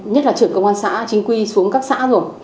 nhất là trưởng công an xã chính quy xuống các xã rồi